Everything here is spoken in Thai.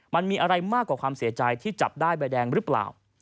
มันมีอะไรมากกว่าความเสียใจที่จับได้ใบแดงหรือเปล่า